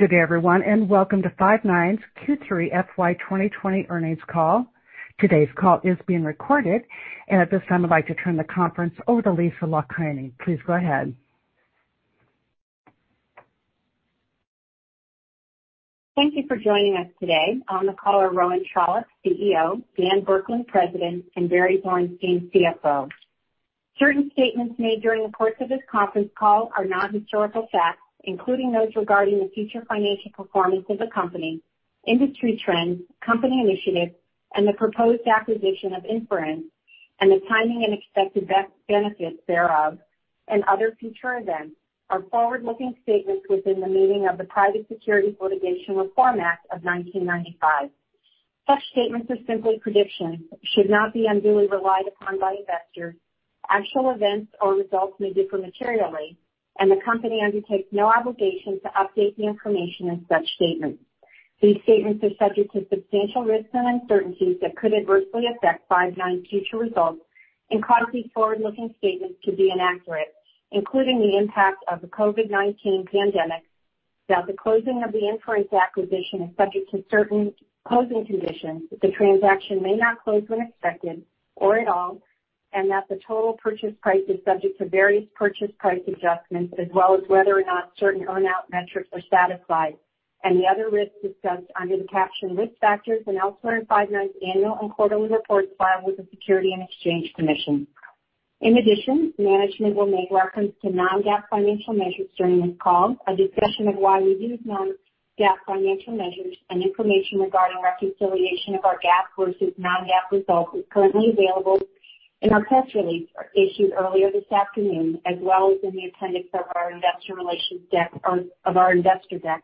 Good day, everyone, and welcome to Five9's Q3 FY 2020 earnings call. Today's call is being recorded, and at this time, I'd like to turn the conference over to Lisa Laukkanen. Please go ahead. Thank you for joining us today. On the call are Rowan Trollope, CEO, Dan Burkland, President, and Barry Zwarenstein, CFO. Certain statements made during the course of this conference call are not historical facts, including those regarding the future financial performance of the company, industry trends, company initiatives, and the proposed acquisition of Inference, and the timing and expected benefits thereof, and other future events are forward-looking statements within the meaning of the Private Securities Litigation Reform Act of 1995. Such statements are simply predictions that should not be unduly relied upon by investors. Actual events or results may differ materially, and the company undertakes no obligation to update the information in such statements. These statements are subject to substantial risks and uncertainties that could adversely affect Five9's future results and cause these forward-looking statements to be inaccurate, including the impact of the COVID-19 pandemic, that the closing of the Inference acquisition is subject to certain closing conditions, that the transaction may not close when expected or at all, and that the total purchase price is subject to various purchase price adjustments as well as whether or not certain earn-out metrics are satisfied and the other risks discussed under the caption Risk Factors and elsewhere in Five9's annual and quarterly reports filed with the Securities and Exchange Commission. In addition, management will make reference to non-GAAP financial measures during this call. A discussion of why we use non-GAAP financial measures and information regarding reconciliation of our GAAP versus non-GAAP results is currently available in our press release issued earlier this afternoon, as well as in the appendix of our investor relations deck or of our investor deck,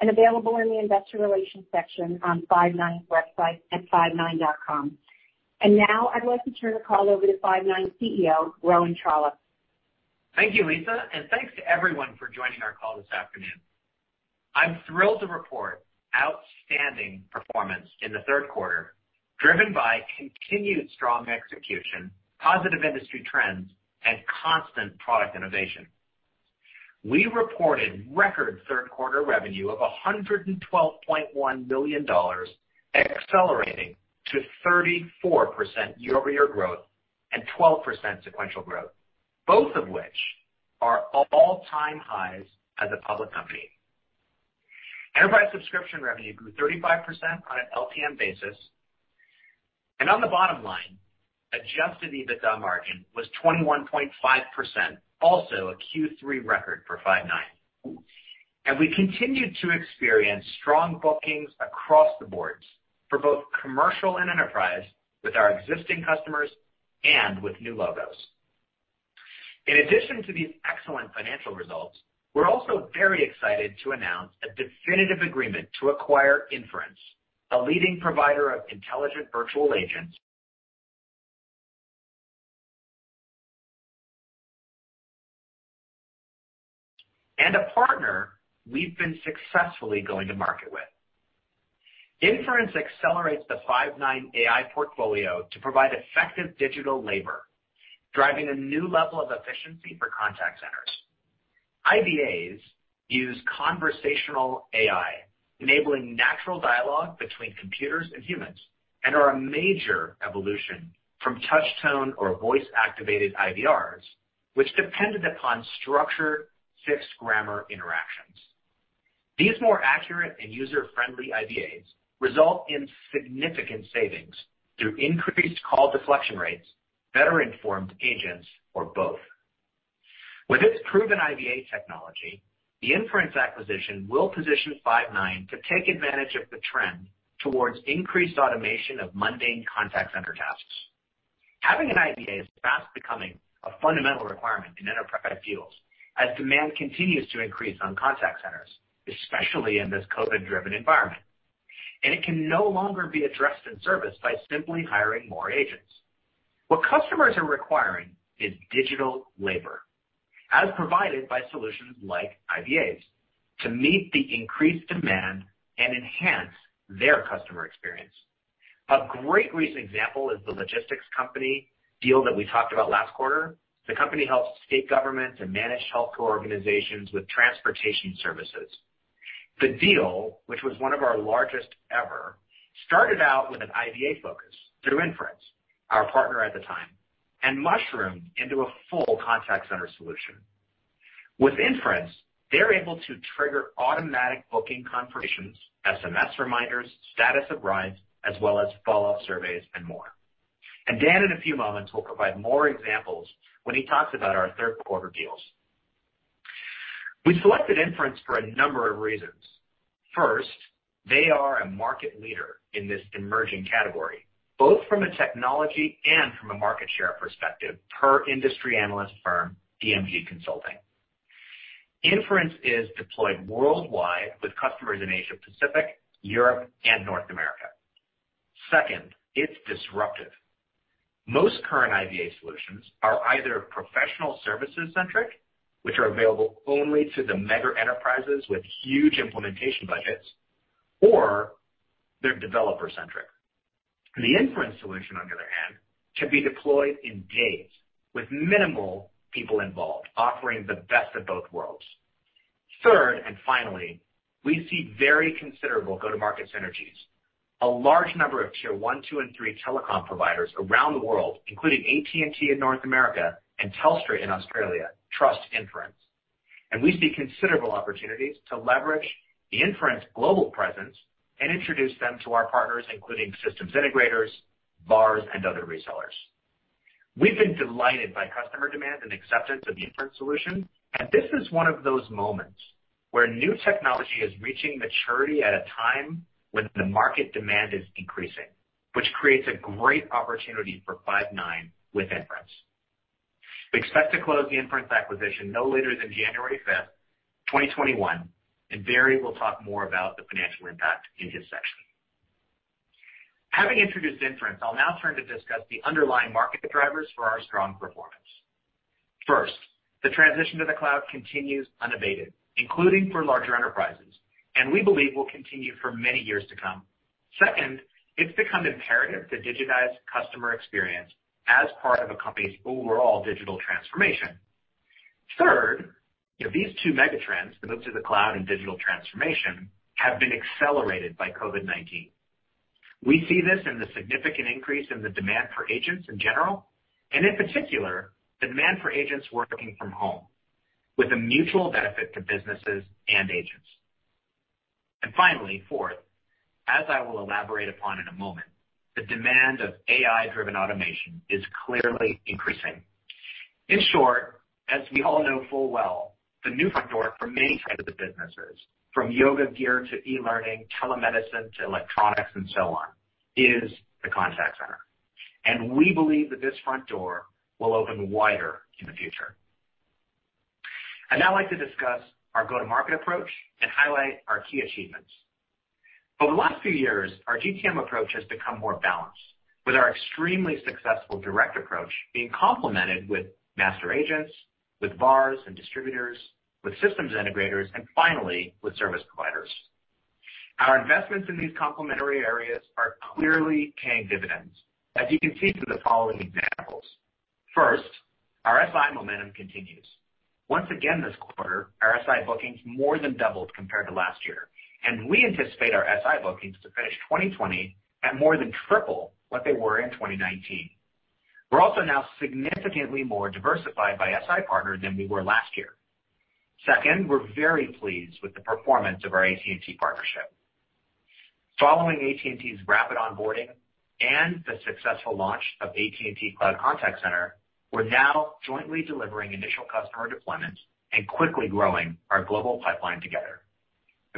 and available in the investor relations section on Five9's website at five9.com. Now I'd like to turn the call over to Five9's CEO, Rowan Trollope. Thank you, Lisa, and thanks to everyone for joining our call this afternoon. I'm thrilled to report outstanding performance in the third quarter, driven by continued strong execution, positive industry trends, and constant product innovation. We reported record third quarter revenue of $112.1 million, accelerating to 34% year-over-year growth and 12% sequential growth, both of which are all-time highs as a public company. Enterprise subscription revenue grew 35% on an LTM basis, and on the bottom line, adjusted EBITDA margin was 21.5%, also a Q3 record for Five9. We continued to experience strong bookings across the boards for both commercial and enterprise with our existing customers and with new logos. In addition to these excellent financial results, we're also very excited to announce a definitive agreement to acquire Inference, a leading provider of intelligent virtual agents and a partner we've been successfully going to market with. Inference accelerates the Five9 AI portfolio to provide effective digital labor, driving a new level of efficiency for contact centers. IVAs use conversational AI, enabling natural dialogue between computers and humans, and are a major evolution from touch-tone or voice-activated IVRs, which depended upon structured, fixed-grammar interactions. These more accurate and user-friendly IVAs result in significant savings through increased call deflection rates, better-informed agents, or both. With its proven IVA technology, the Inference acquisition will position Five9 to take advantage of the trend towards increased automation of mundane contact center tasks. Having an IVA is fast becoming a fundamental requirement in enterprise deals as demand continues to increase on contact centers, especially in this COVID-driven environment, and it can no longer be addressed in service by simply hiring more agents. What customers are requiring is digital labor, as provided by solutions like IVAs, to meet the increased demand and enhance their customer experience. A great recent example is the logistics company deal that we talked about last quarter. The company helps state governments and managed healthcare organizations with transportation services. The deal, which was one of our largest ever, started out with an IVA focus through Inference, our partner at the time, and mushroomed into a full contact center solution. With Inference, they're able to trigger automatic booking confirmations, SMS reminders, status of rides, as well as follow-up surveys, and more. Dan, in a few moments, will provide more examples when he talks about our third quarter deals. We selected Inference for a number of reasons. First, they are a market leader in this emerging category, both from a technology and from a market share perspective per industry analyst firm, DMG Consulting. Inference is deployed worldwide with customers in Asia Pacific, Europe, and North America. Second, it's disruptive. Most current IVA solutions are either professional services centric, which are available only to the mega enterprises with huge implementation budgets, or they're developer centric. The Inference solution, on the other hand, can be deployed in days with minimal people involved, offering the best of both worlds. Third, we see very considerable go-to-market synergies. A large number of Tier 1, 2, and 3 telecom providers around the world, including AT&T in North America and Telstra in Australia, trust Inference. We see considerable opportunities to leverage Inference global presence and introduce them to our partners, including systems integrators, VARs, and other resellers. We've been delighted by customer demand and acceptance of the Inference solution, and this is one of those moments where new technology is reaching maturity at a time when the market demand is increasing, which creates a great opportunity for Five9 with Inference. We expect to close the Inference acquisition no later than January 5th, 2021, and Barry will talk more about the financial impact in his section. Having introduced Inference, I'll now turn to discuss the underlying market drivers for our strong performance. First, the transition to the cloud continues unabated, including for larger enterprises, and we believe will continue for many years to come. Second, it's become imperative to digitize customer experience as part of a company's overall digital transformation. Third, these two mega trends, the move to the cloud and digital transformation, have been accelerated by COVID-19. We see this in the significant increase in the demand for agents in general, and in particular, the demand for agents working from home, with a mutual benefit to businesses and agents. Finally, fourth, as I will elaborate upon in a moment, the demand of AI-driven automation is clearly increasing. In short, as we all know full well, the new front door for many types of businesses, from yoga gear to e-learning, telemedicine to electronics, and so on, is the contact center, and we believe that this front door will open wider in the future. I'd now like to discuss our go-to-market approach and highlight our key achievements. Over the last few years, our GTM approach has become more balanced, with our extremely successful direct approach being complemented with master agents, with VARs and distributors, with systems integrators, and finally, with service providers. Our investments in these complementary areas are clearly paying dividends, as you can see through the following examples. First, our SI momentum continues. Once again this quarter, our SI bookings more than doubled compared to last year, and we anticipate our SI bookings to finish 2020 at more than triple what they were in 2019. We're also now significantly more diversified by SI partner than we were last year. Second, we're very pleased with the performance of our AT&T partnership. Following AT&T's rapid onboarding and the successful launch of AT&T Cloud Contact Center, we're now jointly delivering initial customer deployments and quickly growing our global pipeline together.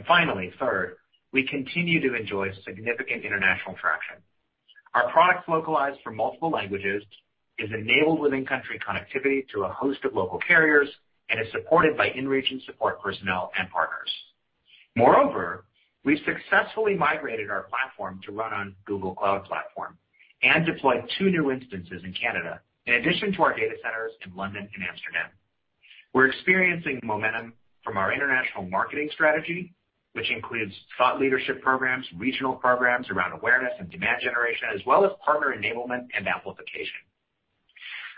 Finally, third, we continue to enjoy significant international traction. Our products localized for multiple languages is enabled with in-country connectivity to a host of local carriers and is supported by in-region support personnel and partners. We've successfully migrated our platform to run on Google Cloud Platform and deployed two new instances in Canada, in addition to our data centers in London and Amsterdam. We're experiencing momentum from our international marketing strategy, which includes thought leadership programs, regional programs around awareness and demand generation, as well as partner enablement and amplification.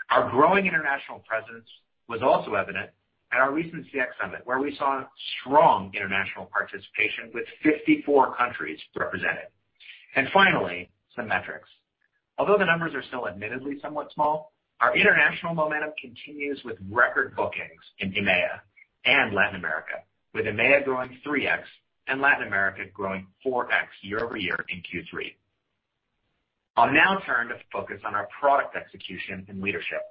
Our growing international presence was also evident at our recent CX Summit, where we saw strong international participation with 54 countries represented. Finally, some metrics. Although the numbers are still admittedly somewhat small, our international momentum continues with record bookings in EMEA and Latin America, with EMEA growing 3x and Latin America growing 4x year-over-year in Q3. I'll now turn to focus on our product execution and leadership.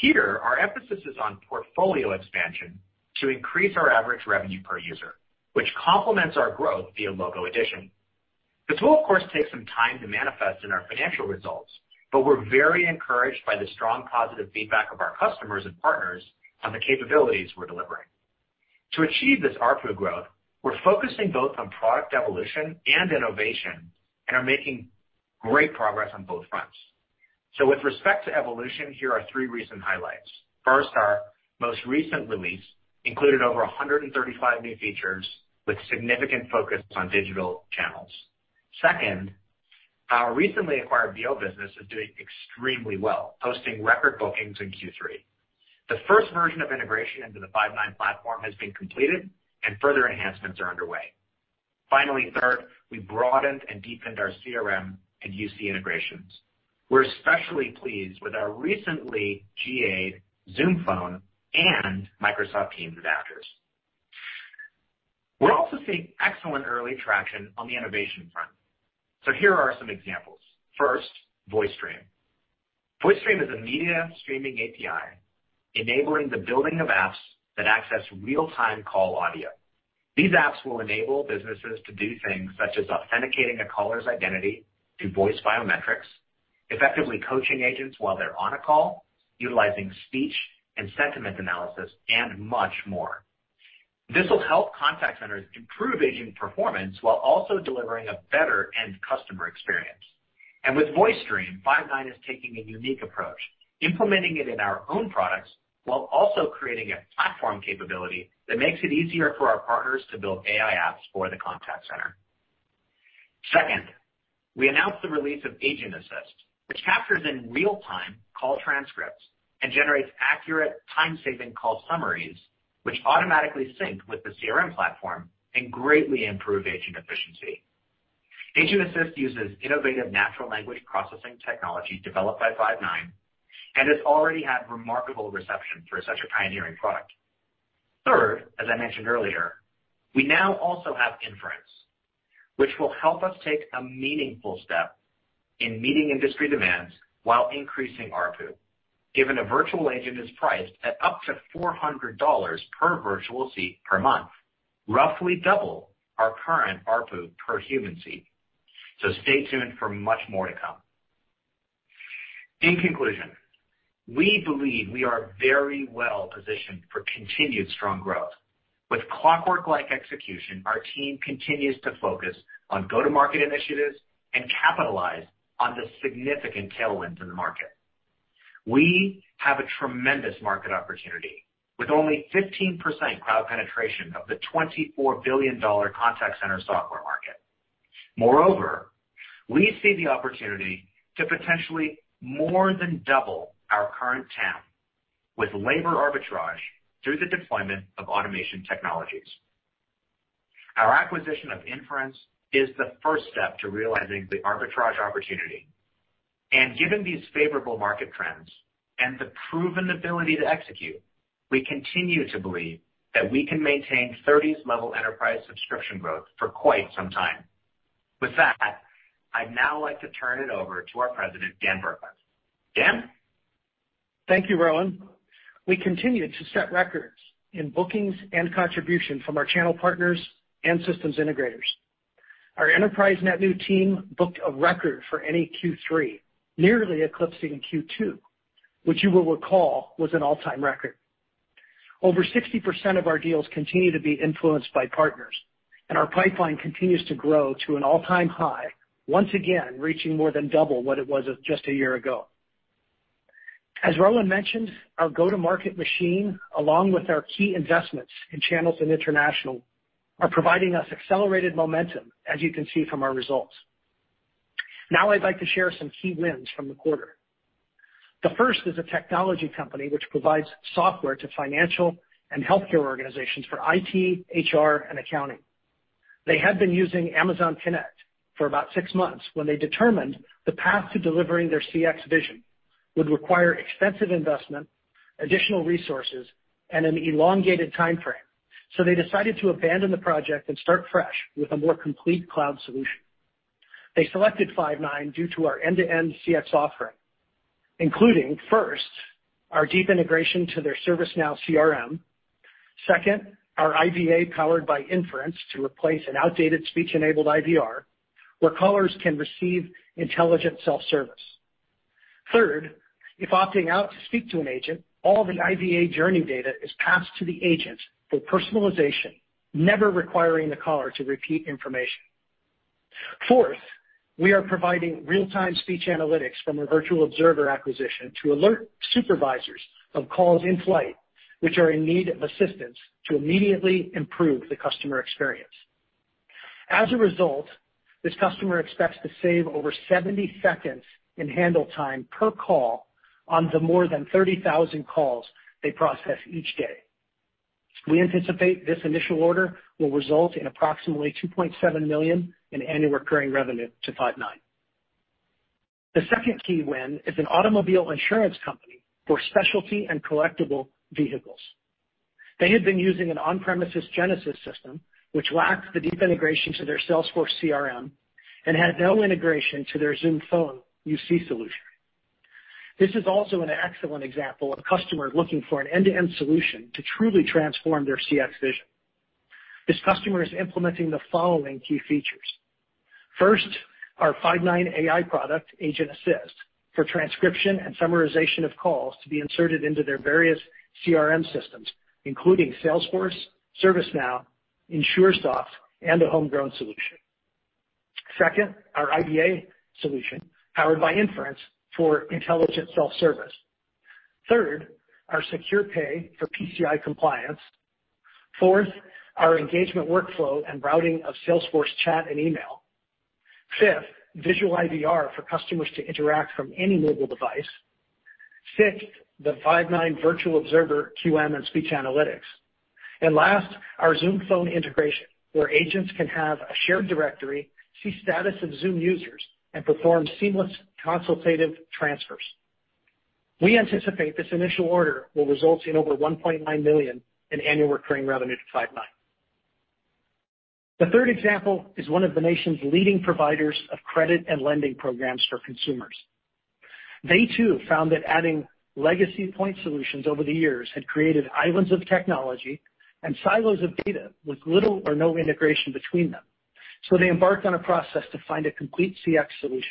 Here, our emphasis is on portfolio expansion to increase our average revenue per user, which complements our growth via logo addition. This will, of course, take some time to manifest in our financial results, but we're very encouraged by the strong positive feedback of our customers and partners on the capabilities we're delivering. To achieve this ARPU growth, we're focusing both on product evolution and innovation and are making great progress on both fronts. With respect to evolution, here are three recent highlights. First, our most recent release included over 135 new features with significant focus on digital channels. Second, our recently acquired VO business is doing extremely well, posting record bookings in Q3. The first version of integration into the Five9 platform has been completed, and further enhancements are underway. Finally, third, we broadened and deepened our CRM and UC integrations. We're especially pleased with our recently GA'd Zoom Phone and Microsoft Teams adapters. We're also seeing excellent early traction on the innovation front. Here are some examples. First, VoiceStream. VoiceStream is a media streaming API enabling the building of apps that access real-time call audio. These apps will enable businesses to do things such as authenticating a caller's identity through voice biometrics, effectively coaching agents while they're on a call, utilizing speech and sentiment analysis, and much more. This will help contact centers improve agent performance while also delivering a better end customer experience. With VoiceStream, Five9 is taking a unique approach, implementing it in our own products while also creating a platform capability that makes it easier for our partners to build AI apps for the contact center. Second, we announced the release of Agent Assist, which captures in real-time call transcripts and generates accurate time-saving call summaries, which automatically sync with the CRM platform and greatly improve agent efficiency. Agent Assist uses innovative natural language processing technology developed by Five9 and has already had remarkable reception for such a pioneering product. Third, as I mentioned earlier, we now also have Inference, which will help us take a meaningful step in meeting industry demands while increasing ARPU, given a virtual agent is priced at up to $400 per virtual seat per month, roughly double our current ARPU per human seat. Stay tuned for much more to come. In conclusion, we believe we are very well-positioned for continued strong growth. With clockwork-like execution, our team continues to focus on go-to-market initiatives and capitalize on the significant tailwinds in the market. We have a tremendous market opportunity, with only 15% cloud penetration of the $24 billion contact center software market. Moreover, we see the opportunity to potentially more than double our current TAM with labor arbitrage through the deployment of automation technologies. Our acquisition of Inference is the first step to realizing the arbitrage opportunity. Given these favorable market trends and the proven ability to execute, we continue to believe that we can maintain 30s-level enterprise subscription growth for quite some time. With that, I'd now like to turn it over to our President, Dan Burkland. Dan? Thank you, Rowan. We continued to set records in bookings and contribution from our channel partners and systems integrators. Our enterprise net new team booked a record for any Q3, nearly eclipsing Q2, which you will recall was an all-time record. Over 60% of our deals continue to be influenced by partners, and our pipeline continues to grow to an all-time high, once again, reaching more than double what it was just one year ago. As Rowan mentioned, our go-to-market machine, along with our key investments in channels and international, are providing us accelerated momentum, as you can see from our results. Now I'd like to share some key wins from the quarter. The first is a technology company which provides software to financial and healthcare organizations for IT, HR, and accounting. They had been using Amazon Connect for about six months when they determined the path to delivering their CX vision would require extensive investment, additional resources, and an elongated timeframe. They decided to abandon the project and start fresh with a more complete cloud solution. They selected Five9 due to our end-to-end CX offering, including, first, our deep integration to their ServiceNow CRM. Second, our IVA powered by Inference to replace an outdated speech-enabled IVR, where callers can receive intelligent self-service. Third, if opting out to speak to an agent, all the IVA journey data is passed to the agent for personalization, never requiring the caller to repeat information. Fourth, we are providing real-time speech analytics from a Virtual Observer acquisition to alert supervisors of calls in flight which are in need of assistance to immediately improve the customer experience. As a result, this customer expects to save over 70 seconds in handle time per call on the more than 30,000 calls they process each day. We anticipate this initial order will result in approximately $2.7 million in annual recurring revenue to Five9. The second key win is an automobile insurance company for specialty and collectible vehicles. They had been using an on-premises Genesys system, which lacked the deep integration to their Salesforce CRM and had no integration to their Zoom Phone UC solution. This is also an excellent example of a customer looking for an end-to-end solution to truly transform their CX vision. This customer is implementing the following key features. First, our Five9 AI product, Agent Assist, for transcription and summarization of calls to be inserted into their various CRM systems, including Salesforce, ServiceNow, Insuresoft, and a homegrown solution. Second, our IVA solution, powered by Inference for intelligent self-service. Third, our SecurePay for PCI compliance. Fourth, our Engagement Workflow and routing of Salesforce chat and email. Fifth, Visual IVR for customers to interact from any mobile device. Sixth, the Five9 Virtual Observer QM and speech analytics. Last, our Zoom Phone integration, where agents can have a shared directory, see status of Zoom users, and perform seamless consultative transfers. We anticipate this initial order will result in over $1.9 million in annual recurring revenue to Five9. The third example is one of the nation's leading providers of credit and lending programs for consumers. They too found that adding legacy point solutions over the years had created islands of technology and silos of data with little or no integration between them. They embarked on a process to find a complete CX solution.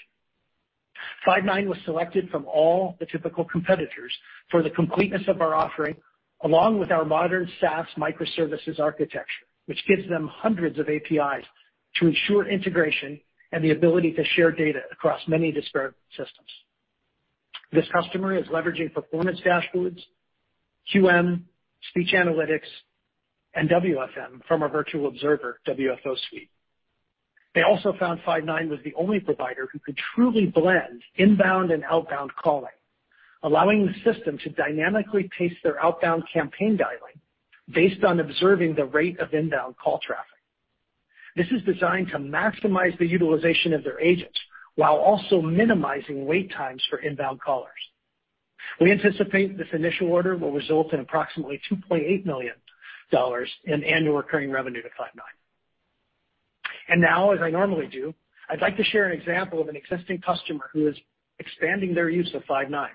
Five9 was selected from all the typical competitors for the completeness of our offering, along with our modern SaaS microservices architecture, which gives them hundreds of APIs to ensure integration and the ability to share data across many disparate systems. This customer is leveraging performance dashboards, QM, speech analytics, and WFM from our Virtual Observer WFO suite. They also found Five9 was the only provider who could truly blend inbound and outbound calling, allowing the system to dynamically pace their outbound campaign dialing based on observing the rate of inbound call traffic. This is designed to maximize the utilization of their agents while also minimizing wait times for inbound callers. We anticipate this initial order will result in approximately $2.8 million in annual recurring revenue to Five9. Now, as I normally do, I'd like to share an example of an existing customer who is expanding their use of Five9.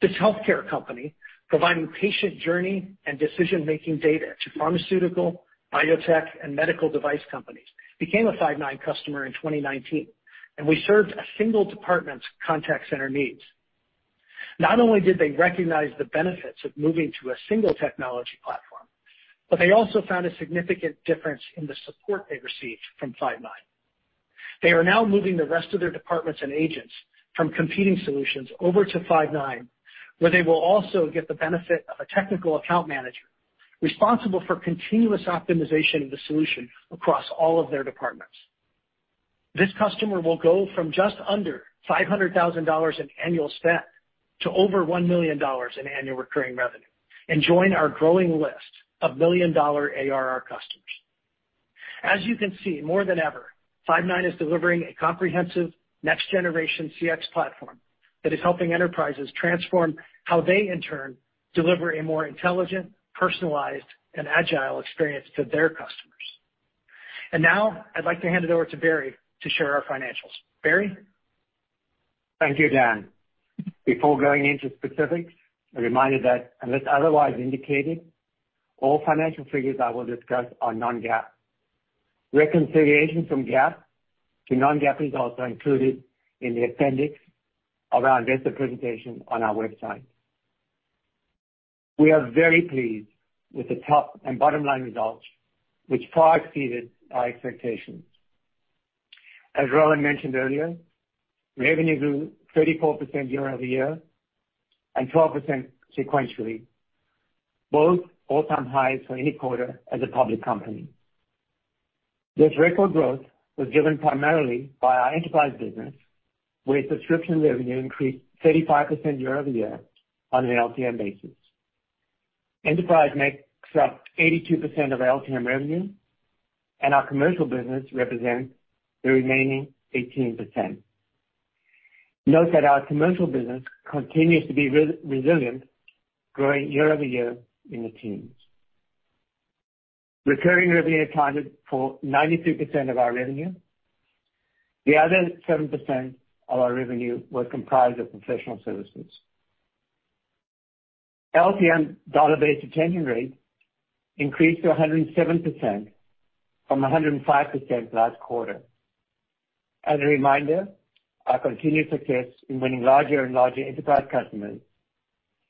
This healthcare company, providing patient journey and decision-making data to pharmaceutical, biotech, and medical device companies, became a Five9 customer in 2019, and we served a single department's contact center needs. Not only did they recognize the benefits of moving to a single technology platform, but they also found a significant difference in the support they received from Five9. They are now moving the rest of their departments and agents from competing solutions over to Five9, where they will also get the benefit of a technical account manager responsible for continuous optimization of the solution across all of their departments. This customer will go from just under $500,000 in annual spend to over $1 million in annual recurring revenue and join our growing list of million-dollar ARR customers. As you can see, more than ever, Five9 is delivering a comprehensive next-generation CX platform that is helping enterprises transform how they in turn deliver a more intelligent, personalized, and agile experience to their customers. Now I'd like to hand it over to Barry to share our financials. Barry? Thank you, Dan. Before going into specifics, a reminder that unless otherwise indicated, all financial figures I will discuss are non-GAAP. Reconciliation from GAAP to non-GAAP results are included in the appendix of our investor presentation on our website. We are very pleased with the top and bottom-line results, which far exceeded our expectations. As Rowan mentioned earlier, revenue grew 34% year-over-year and 12% sequentially, both all-time highs for any quarter as a public company. This record growth was driven primarily by our enterprise business, where subscription revenue increased 35% year-over-year on an LTM basis. Enterprise makes up 82% of LTM revenue, our commercial business represents the remaining 18%. Note that our commercial business continues to be resilient, growing year-over-year in the teens. Recurring revenue accounted for 92% of our revenue. The other 7% of our revenue was comprised of professional services. LTM dollar-based retention rate increased to 107% from 105% last quarter. As a reminder, our continued success in winning larger and larger enterprise customers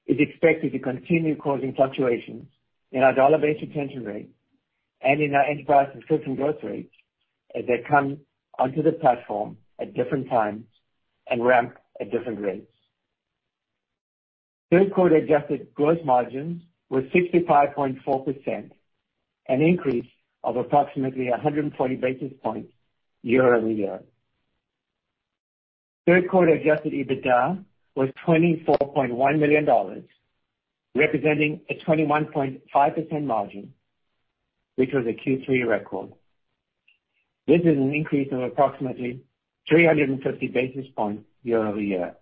is expected to continue causing fluctuations in our dollar-based retention rate and in our enterprise subscription growth rates as they come onto the platform at different times and ramp at different rates. Third quarter adjusted gross margins were 65.4%, an increase of approximately 140 basis points year-over-year. Third quarter adjusted EBITDA was $24.1 million, representing a 21.5% margin, which was a Q3 record. This is an increase of approximately 350 basis points year-over-year.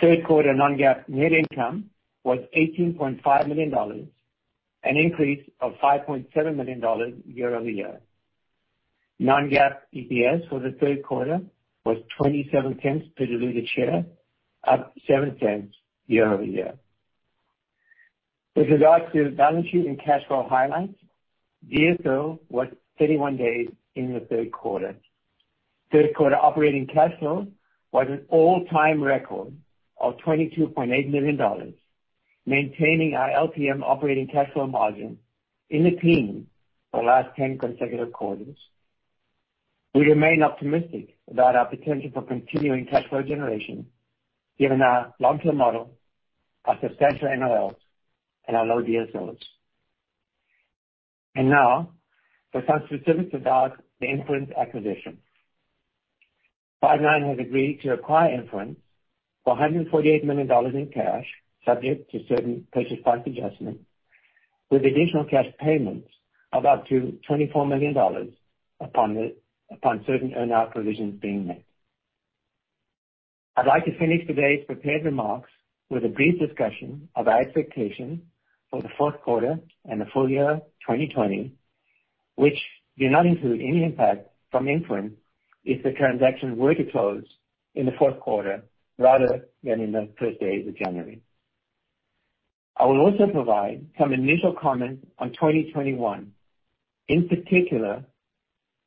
Third quarter non-GAAP net income was $18.5 million, an increase of $5.7 million year-over-year. Non-GAAP EPS for the third quarter was $0.27 per diluted share, up $0.07 year-over-year. With regards to balance sheet and cash flow highlights, DSO was 31 days in the third quarter. Third quarter operating cash flow was an all-time record of $22.8 million, maintaining our LTM operating cash flow margin in the teens for the last 10 consecutive quarters. We remain optimistic about our potential for continuing cash flow generation given our long-term model, our substantial NOLs, and our low DSOs. Now for some specifics about the Inference acquisition. Five9 has agreed to acquire Inference for $148 million in cash, subject to certain purchase price adjustments, with additional cash payments of up to $24 million upon certain earn-out provisions being met. I'd like to finish today's prepared remarks with a brief discussion of our expectation for the fourth quarter and the full year 2020, which do not include any impact from Inference if the transaction were to close in the fourth quarter rather than in the first days of January. I will also provide some initial comments on 2021, in particular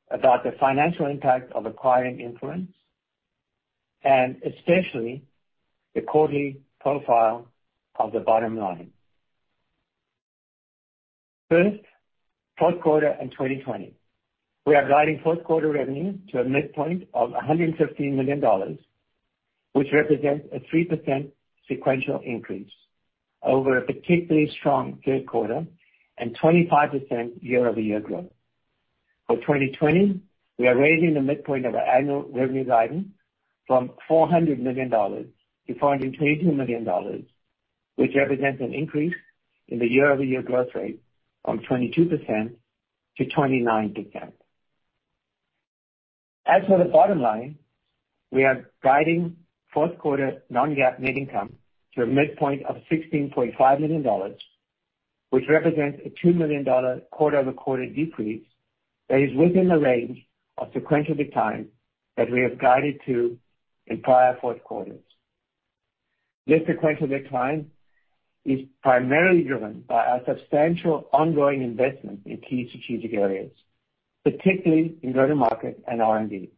about the financial impact of acquiring Inference, and especially the quarterly profile of the bottom line. Fourth quarter and 2020. We are guiding fourth quarter revenue to a midpoint of $115 million, which represents a 3% sequential increase over a particularly strong third quarter and 25% year-over-year growth. For 2020, we are raising the midpoint of our annual revenue guidance from $400 million to $422 million, which represents an increase in the year-over-year growth rate from 22% to 29%. As for the bottom line, we are guiding fourth quarter non-GAAP net income to a midpoint of $16.5 million, which represents a $2 million quarter-over-quarter decrease that is within the range of sequential decline that we have guided to in prior fourth quarters. This sequential decline is primarily driven by our substantial ongoing investment in key strategic areas, particularly in go-to-market and R&D.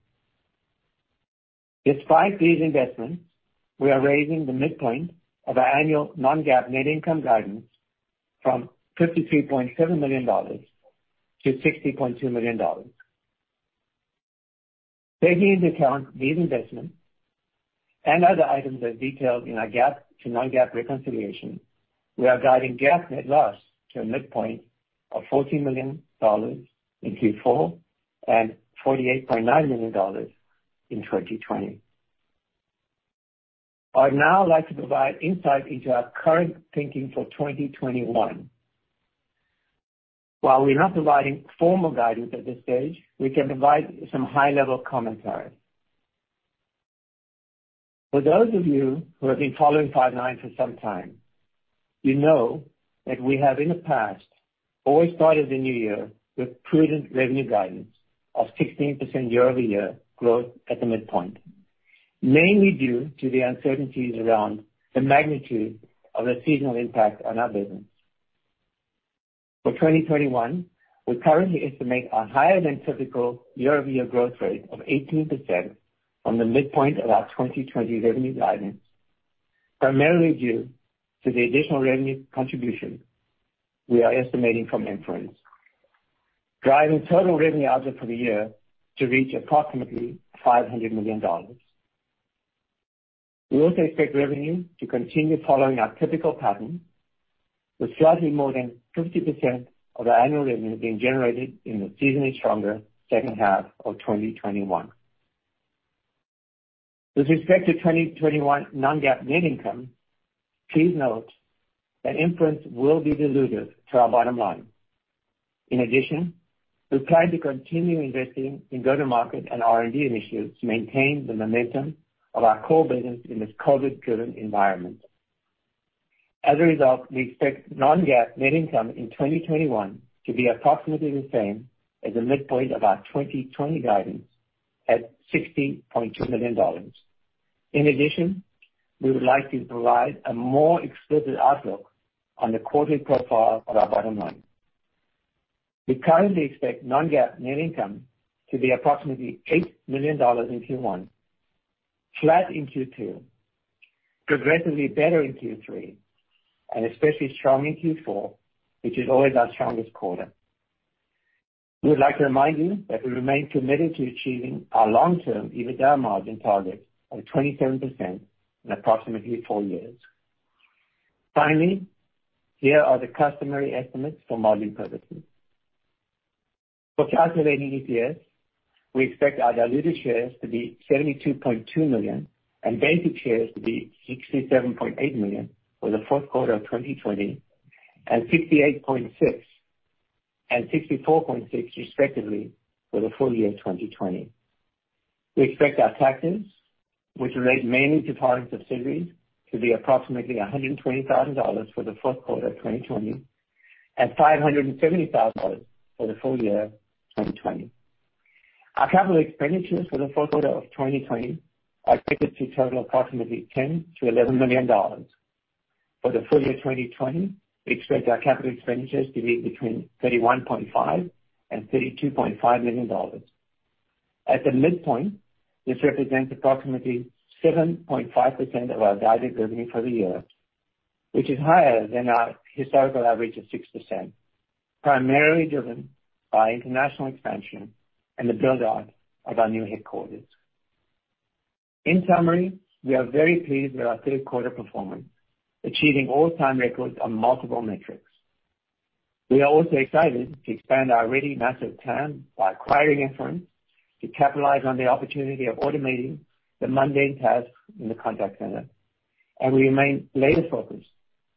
Despite these investments, we are raising the midpoint of our annual non-GAAP net income guidance from $53.7 million to $60.2 million. Taking into account these investments and other items as detailed in our GAAP to non-GAAP reconciliation, we are guiding GAAP net loss to a midpoint of $14 million in Q4 and $48.9 million in 2020. I'd now like to provide insight into our current thinking for 2021. While we are not providing formal guidance at this stage, we can provide some high-level commentary. For those of you who have been following Five9 for some time, you know that we have in the past always started the new year with prudent revenue guidance of 16% year-over-year growth at the midpoint, mainly due to the uncertainties around the magnitude of the seasonal impact on our business. For 2021, we currently estimate a higher than typical year-over-year growth rate of 18% on the midpoint of our 2020 revenue guidance, primarily due to the additional revenue contribution we are estimating from Inference, driving total revenue outlook for the year to reach approximately $500 million. We also expect revenue to continue following our typical pattern, with slightly more than 50% of our annual revenue being generated in the seasonally stronger second half of 2021. With respect to 2021 non-GAAP net income, please note that Inference will be dilutive to our bottom line. In addition, we plan to continue investing in go-to-market and R&D initiatives to maintain the momentum of our core business in this COVID-driven environment. We expect non-GAAP net income in 2021 to be approximately the same as the midpoint of our 2020 guidance at $60.2 million. We would like to provide a more explicit outlook on the quarterly profile of our bottom line. We currently expect non-GAAP net income to be approximately $8 million in Q1, flat in Q2, progressively better in Q3, and especially strong in Q4, which is always our strongest quarter. We would like to remind you that we remain committed to achieving our long-term EBITDA margin target of 27% in approximately four years. Here are the customary estimates for modeling purposes. For calculating EPS, we expect our diluted shares to be 72.2 million and basic shares to be 67.8 million for the fourth quarter of 2020 and 68.6 and 64.6 respectively for the full year 2020. We expect our taxes, which relate mainly to audits of foreign subsidiaries, to be approximately $120,000 for the fourth quarter of 2020 and $570,000 for the full year 2020. Our capital expenditures for the full quarter of 2020 are expected to total approximately $10 million-$11 million. For the full year 2020, we expect our capital expenditures to be between $31.5 million and $32.5 million. At the midpoint, this represents approximately 7.5% of our guided revenue for the year, which is higher than our historical average of 6%, primarily driven by international expansion and the build-out of our new headquarters. In summary, we are very pleased with our third quarter performance, achieving all-time records on multiple metrics. We are also excited to expand our ready massive TAM by acquiring Inference to capitalize on the opportunity of automating the mundane tasks in the contact center, and we remain laser-focused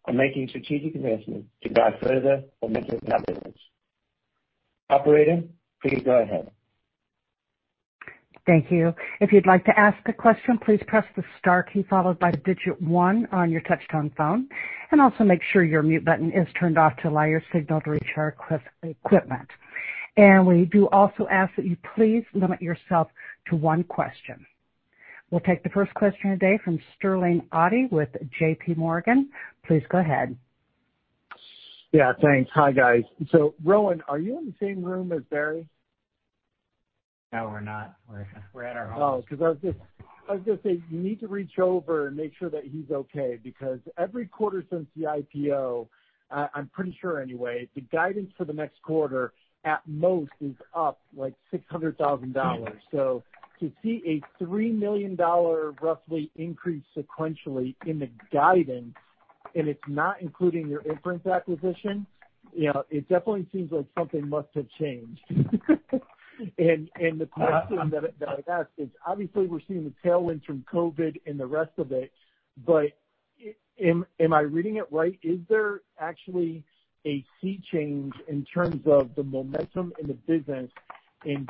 on making strategic investments to drive further momentum in our business. Operator, please go ahead. Thank you. If you'd like to ask a question please press star followed by digit one on your touchtone phone. Also make sure your mute button is turned off to let signal return to equipment. And we do also ask that please limit yourself to one question. We'll take the first question today from Sterling Auty with JPMorgan. Please go ahead. Yeah, thanks. Hi, guys. Rowan, are you in the same room as Barry? No, we're not. We're at our office. I was going to say, you need to reach over and make sure that he's okay. Every quarter since the IPO, I'm pretty sure anyway, the guidance for the next quarter at most is up like $600,000. To see a $3 million roughly increase sequentially in the guidance, and it's not including your Inference acquisition, it definitely seems like something must have changed. The question that I'd ask is, obviously, we're seeing the tailwinds from COVID and the rest of it, but am I reading it right? Is there actually a sea change in terms of the momentum in the business?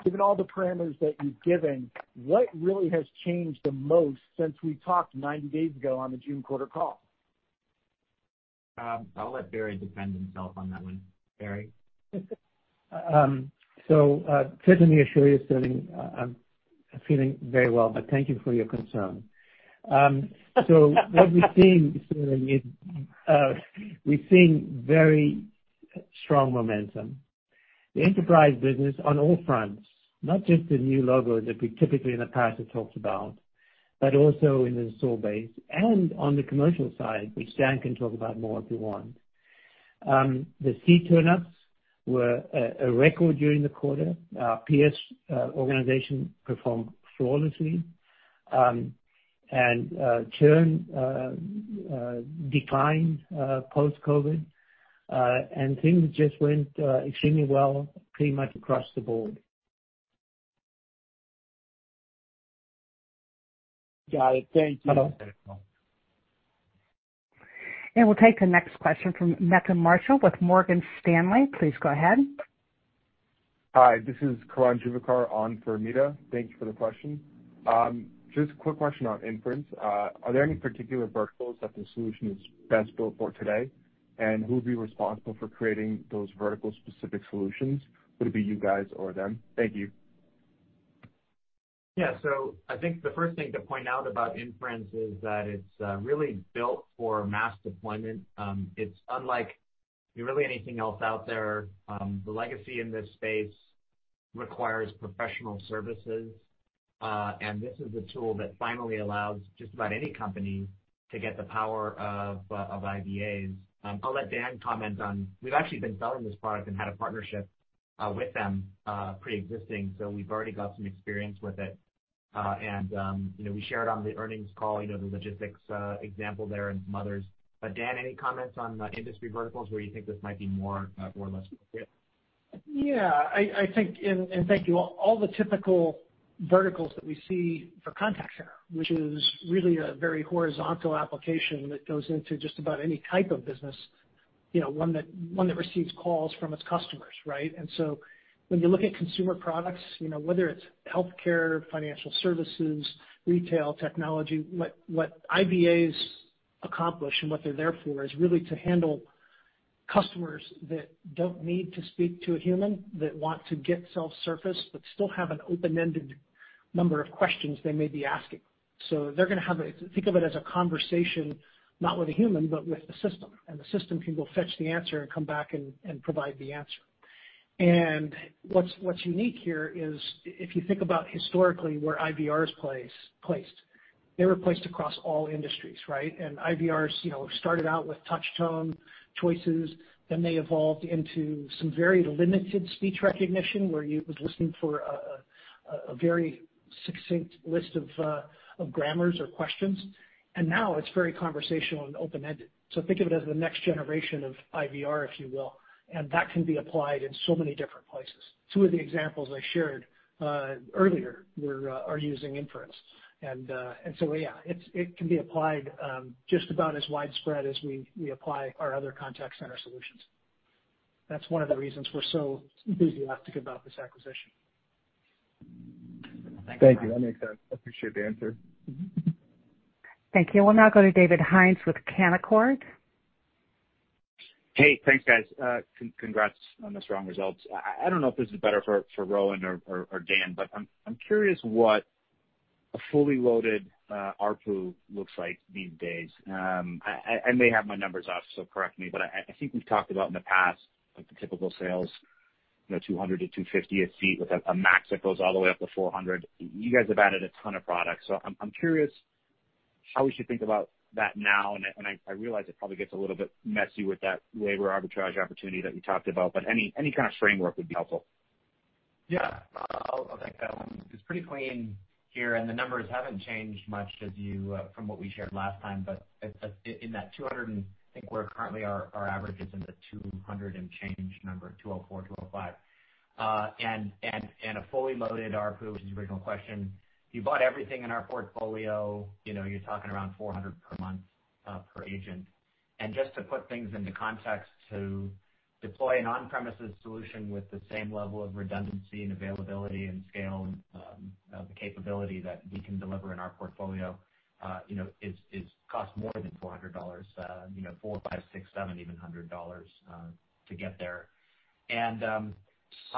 Given all the parameters that you've given, what really has changed the most since we talked 90 days ago on the June quarter call? I'll let Barry defend himself on that one. Barry? Ted, let me assure you, Sterling, I'm feeling very well, but thank you for your concern. What we've seen, Sterling, is we've seen very strong momentum. The enterprise business on all fronts, not just the new logos that we typically in the past have talked about, but also in the install base and on the commercial side, which Dan can talk about more if you want. The seat turn-ups were a record during the quarter. Our PS organization performed flawlessly. Churn declined post-COVID. Things just went extremely well pretty much across the board. Got it. Thank you. No problem. We'll take the next question from Meta Marshall with Morgan Stanley. Please go ahead. Hi, this is Karan Juvekar on for Meta. Thank you for the question. Just a quick question on Inference. Are there any particular verticals that the solution is best built for today? Who would be responsible for creating those vertical specific solutions? Would it be you guys or them? Thank you. I think the first thing to point out about Inference is that it's really built for mass deployment. It's unlike really anything else out there. The legacy in this space requires professional services. This is a tool that finally allows just about any company to get the power of IVAs. I'll let Dan comment on We've actually been selling this product and had a partnership with them preexisting. We've already got some experience with it. We shared on the earnings call, the logistics example there and some others. Dan, any comments on industry verticals where you think this might be more or less appropriate? Yeah. Thank you. All the typical verticals that we see for contact center, which is really a very horizontal application that goes into just about any type of business, one that receives calls from its customers, right? When you look at consumer products, whether it's healthcare, financial services, retail, technology, what IVAs accomplish and what they're there for is really to handle customers that don't need to speak to a human, that want to get self-serviced but still have an open-ended number of questions they may be asking. They're going to have, think of it as a conversation, not with a human, but with a system. The system can go fetch the answer and come back and provide the answer. What's unique here is if you think about historically where IVR is placed. They were placed across all industries, right? IVRs started out with touch-tone choices, then they evolved into some very limited speech recognition where you was listening for a very succinct list of grammars or questions. Now it's very conversational and open-ended. Think of it as the next generation of IVR, if you will, and that can be applied in so many different places. Two of the examples I shared earlier are using Inference. Yeah, it can be applied just about as widespread as we apply our other contact center solutions. That's one of the reasons we're so enthusiastic about this acquisition. Thanks. Thank you. That makes sense. I appreciate the answer. Thank you. We'll now go to David Hynes with Canaccord. Hey, thanks, guys. Congrats on the strong results. I don't know if this is better for Rowan or Dan, but I'm curious what a fully loaded ARPU looks like these days. I may have my numbers off, so correct me, but I think we've talked about in the past, like the typical seats, 200-250 a seat with a max that goes all the way up to 400. You guys have added a ton of products. I'm curious how we should think about that now, and I realize it probably gets a little bit messy with that labor arbitrage opportunity that we talked about, but any kind of framework would be helpful. Yeah. I'll take that one. It's pretty clean here, and the numbers haven't changed much from what we shared last time, but in that $200, I think we're currently our average is in the $200 and change number, $204, $205. A fully loaded ARPU, which is the original question, if you bought everything in our portfolio, you're talking around $400 per month, per agent. Just to put things into context, to deploy an on-premises solution with the same level of redundancy and availability and scale and the capability that we can deliver in our portfolio, it costs more than $400. Four, five, six, $700 even, to get there. On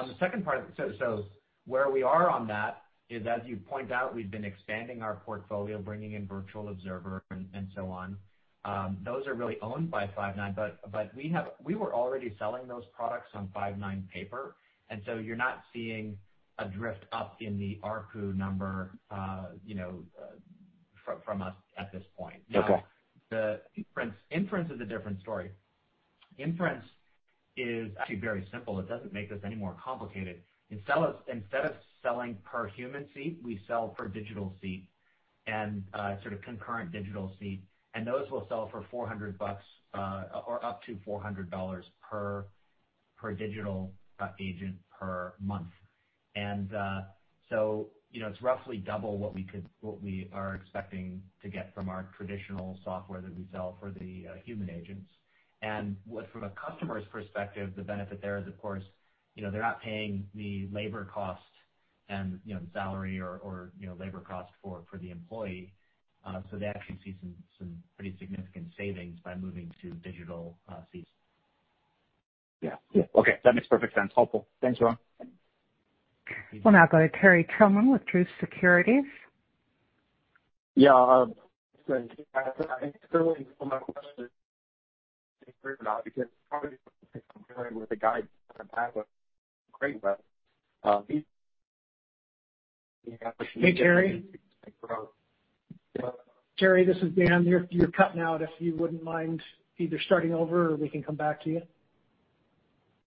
the second part, so where we are on that is, as you point out, we've been expanding our portfolio, bringing in Virtual Observer and so on. Those are really owned by Five9, but we were already selling those products on Five9 paper, and so you're not seeing a drift up in the ARPU number from us at this point. Okay. Inference is a different story. Inference is actually very simple. It doesn't make this any more complicated. Instead of selling per human seat, we sell per digital seat and sort of concurrent digital seat, those we'll sell for $400 or up to $400 per digital agent per month. It's roughly double what we are expecting to get from our traditional software that we sell for the human agents. From a customer's perspective, the benefit there is, of course, they're not paying the labor cost and salary or labor cost for the employee. They actually see some pretty significant savings by moving to digital seats. Yeah. Okay, that makes perfect sense. Helpful. Thanks, Rowan. We'll now go to Terry Tillman with Truist Securities. Yeah. Hey, Terry. Terry, this is Dan. You're cutting out. If you wouldn't mind either starting over or we can come back to you.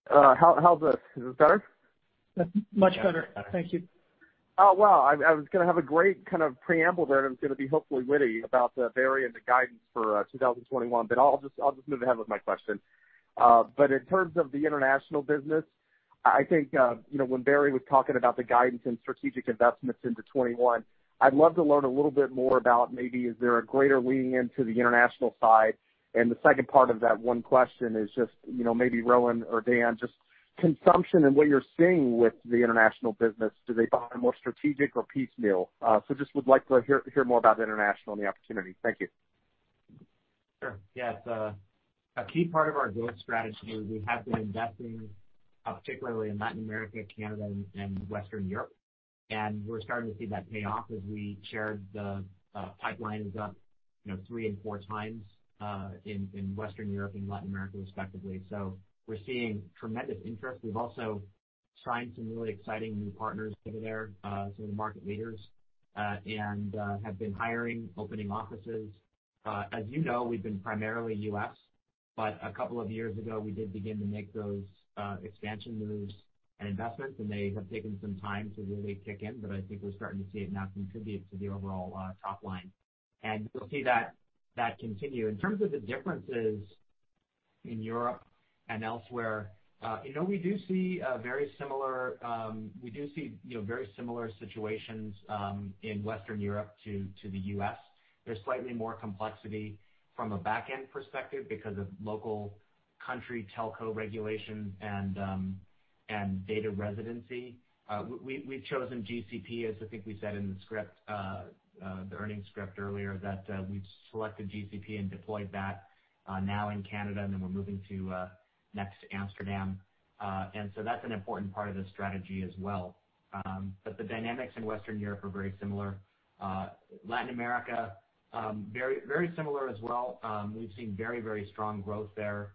How's this? Is this better? That's much better. Thank you. Well, I was going to have a great kind of preamble there that was going to be hopefully witty about the varying the guidance for 2021, but I'll just move ahead with my question. In terms of the international business, I think when Barry was talking about the guidance and strategic investments into 2021, I'd love to learn a little bit more about maybe is there a greater leaning into the international side? The second part of that one question is just maybe Rowan or Dan, just consumption and what you're seeing with the international business. Do they buy more strategic or piecemeal? Just would like to hear more about the international and the opportunity. Thank you. Sure. Yes. A key part of our growth strategy is we have been investing, particularly in Latin America, Canada, and Western Europe. We're starting to see that pay off as we shared the pipeline is up three and four times in Western Europe and Latin America, respectively. We're seeing tremendous interest. We've also signed some really exciting new partners over there, some of the market leaders, and have been hiring, opening offices. As you know, we've been primarily U.S., but a couple of years ago, we did begin to make those expansion moves and investments, and they have taken some time to really kick in, but I think we're starting to see it now contribute to the overall top line. You'll see that continue. In terms of the differences in Europe and elsewhere, we do see very similar situations in Western Europe to the U.S. There's slightly more complexity from a back-end perspective because of local country telco regulations and data residency. We've chosen GCP, as I think we said in the earnings script earlier, that we've selected GCP and deployed that now in Canada, and then we're moving to next Amsterdam. That's an important part of the strategy as well. The dynamics in Western Europe are very similar. Latin America very similar as well. We've seen very strong growth there.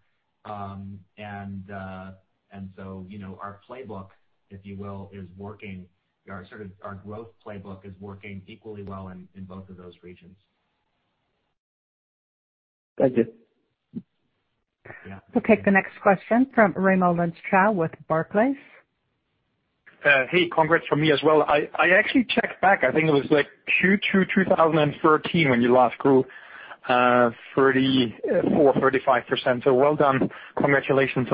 Our playbook, if you will, is working. Our growth playbook is working equally well in both of those regions. Thank you. Yeah. We'll take the next question from Raimo Lenschow with Barclays. Hey, congrats from me as well. I actually checked back. I think it was like Q2 2013 when you last grew 34%, 35%. Well done. Congratulations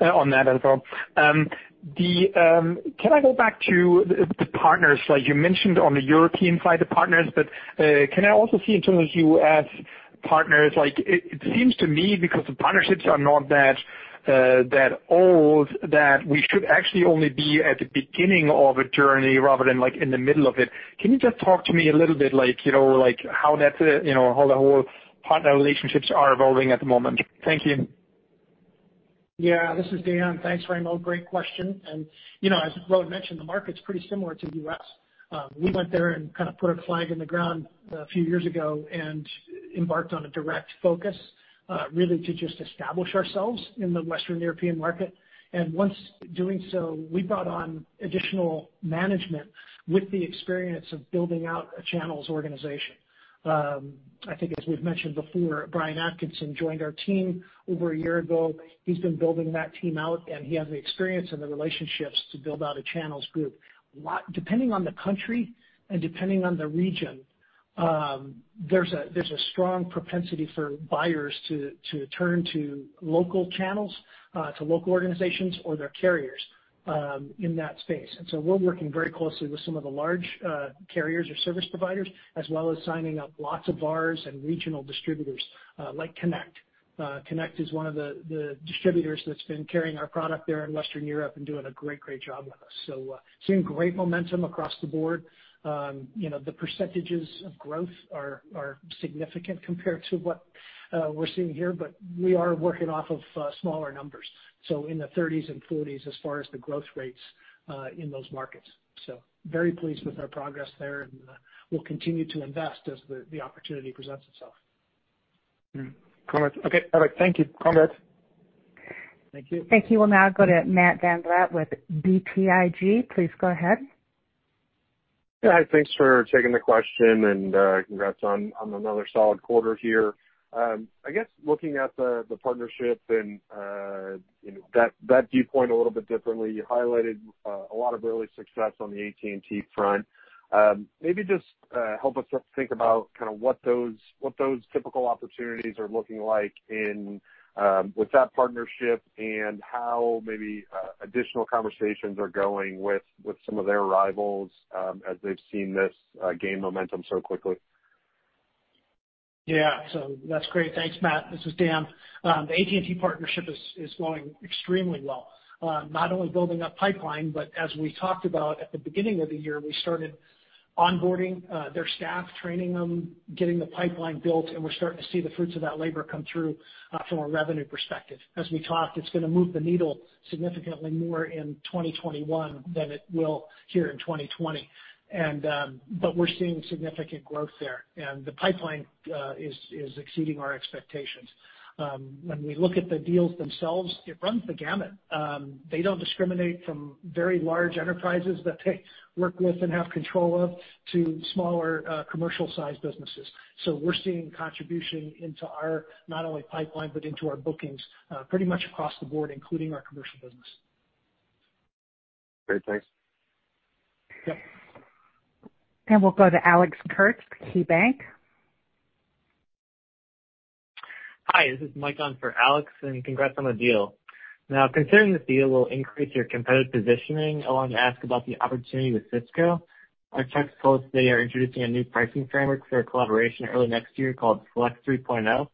on that as well. Can I go back to the partners? You mentioned on the European side the partners, but can I also see in terms of U.S. partners, it seems to me because the partnerships are not that old, that we should actually only be at the beginning of a journey rather than in the middle of it. Can you just talk to me a little bit how the whole partner relationships are evolving at the moment? Thank you. This is Dan. Thanks, Raimo. Great question. As Rowan mentioned, the market's pretty similar to U.S. We went there and kind of put a flag in the ground a few years ago and embarked on a direct focus, really to just establish ourselves in the Western European market. Once doing so, we brought on additional management with the experience of building out a channels organization. I think as we've mentioned before, Brian Atkinson joined our team over a year ago. He's been building that team out, and he has the experience and the relationships to build out a channels group. Depending on the country and depending on the region, there's a strong propensity for buyers to turn to local channels, to local organizations or their carriers in that space. We're working very closely with some of the large carriers or service providers, as well as signing up lots of VARs and regional distributors like Connect. Connect is one of the distributors that's been carrying our product there in Western Europe and doing a great job with us. Seeing great momentum across the board. The percentages of growth are significant compared to what we're seeing here, but we are working off of smaller numbers. In the 30s and 40s as far as the growth rates in those markets. Very pleased with our progress there, and we'll continue to invest as the opportunity presents itself. Okay. All right. Thank you, Congrat. Thank you. Thank you. We'll now go to Matt VanVliet with BTIG. Please go ahead. Yeah. Thanks for taking the question, and congrats on another solid quarter here. I guess, looking at the partnerships and that viewpoint a little bit differently, you highlighted a lot of early success on the AT&T front. Maybe just help us think about what those typical opportunities are looking like with that partnership and how maybe additional conversations are going with some of their rivals, as they've seen this gain momentum so quickly. Yeah. That's great. Thanks, Matt. This is Dan. The AT&T partnership is going extremely well. Not only building up pipeline, but as we talked about at the beginning of the year, we started onboarding their staff, training them, getting the pipeline built, and we're starting to see the fruits of that labor come through from a revenue perspective. As we talked, it's going to move the needle significantly more in 2021 than it will here in 2020. We're seeing significant growth there, and the pipeline is exceeding our expectations. When we look at the deals themselves, it runs the gamut. They don't discriminate from very large enterprises that they work with and have control of, to smaller commercial-sized businesses. We're seeing contribution into our, not only pipeline, but into our bookings, pretty much across the board, including our commercial business. Great. Thanks. Yep. We'll go to Alex Kurtz, KeyBanc. Hi, this is Mike on for Alex, and congrats on the deal. Now, considering this deal will increase your competitive positioning, I wanted to ask about the opportunity with Cisco. I checked, they are introducing a new pricing framework for collaboration early next year called Flex 3.0,